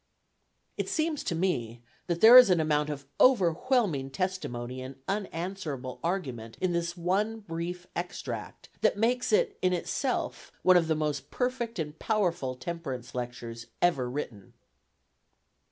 It seems to me that there is an amount of overwhelming testimony and unanswerable argument in this one brief extract, that makes it in itself one of the most perfect and powerful temperance lectures ever written.